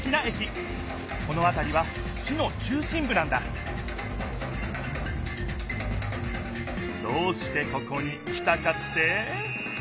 このあたりは市の中心ぶなんだどうしてここに来たかって？